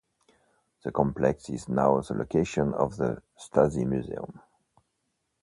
The complex is now the location of the Stasi Museum.